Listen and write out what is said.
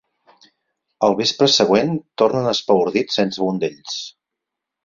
El vespre següent, tornen espaordits sense un d'ells.